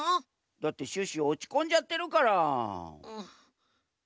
だってシュッシュおちこんじゃってるから。